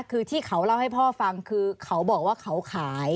คือที่เขาเล่าให้พ่อฟังคือเขาบอกว่าเขาขาย